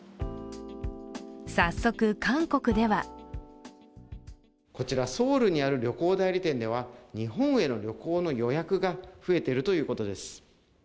早速、韓国ではこちら、ソウルにある旅行代理店では日本への旅行の予約が増えているということです。